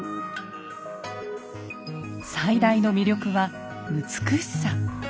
最大の魅力は美しさ。